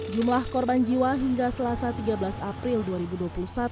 jumlah rumah milik keluarga ini adalah di desa taklale kabupaten kupang